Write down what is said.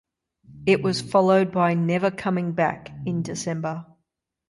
It was followed by "Never Coming Back" in December.